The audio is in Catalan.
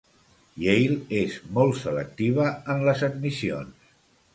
Yale és molt selectiva en les admissions.